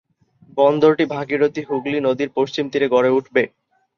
বন্দরটি ভাগীরথী-হুগলী নদীর পশ্চিম তীরে গড়ে উঠবে।